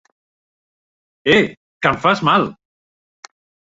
Eh, que em fas mal!